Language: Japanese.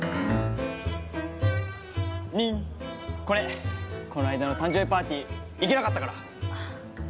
これこの間の誕生日パーティー行けなかったから。